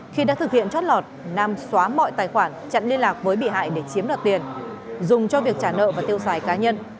khi đã thực hiện trót lọt nam xóa mọi tài khoản chặn liên lạc với bị hại để chiếm đoạt tiền dùng cho việc trả nợ và tiêu xài cá nhân